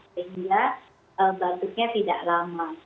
jadi dia batuknya tidak lama